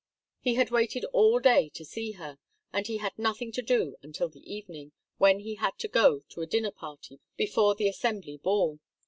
He had waited all day to see her, and he had nothing to do until the evening, when he had to go to a dinner party before the Assembly ball.